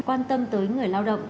quan tâm tới người lao động